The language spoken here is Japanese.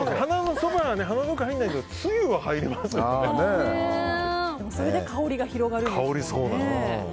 そばは鼻の奥には入らないけどそれで香りが広がるんですね。